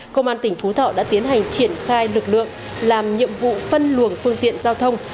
công an tỉnh phú thọ đã tiến hành triển khai lực lượng làm nhiệm vụ phân luồng phương tiện giao thông